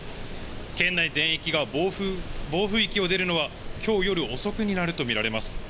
県内全域が暴風域を出るのは、きょう夜遅くになると見られます。